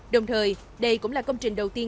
đồng thời đây cũng là công trình đầu tiên